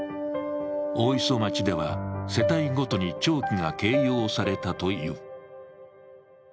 大磯町では、世帯ごとに弔旗が掲揚されたという。